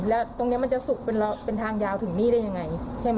แล้วตรงนี้มันจะสุกเป็นทางยาวถึงนี่ได้ยังไงใช่ไหม